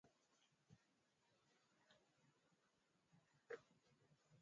na kuwaua wakazi ambapo walipita kwenye njia yao na kuchoma moto magari sita